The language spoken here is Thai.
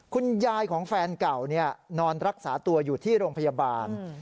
คุณยายของแฟนเก่านอนรักษาตัวอยู่ที่โรงพยาบาล